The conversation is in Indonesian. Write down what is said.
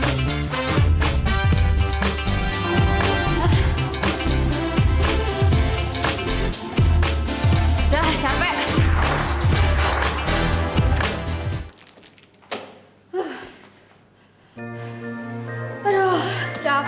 aduh capek serah doa